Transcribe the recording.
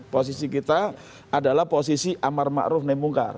posisi kita adalah posisi amar makrum naik mungkar